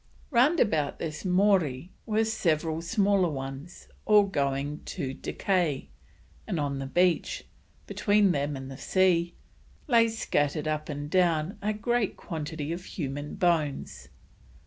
Round about this Morie were several smaller ones, all going to decay, and on the Beach, between them and the sea, lay scattered up and down, a great quantity of human bones.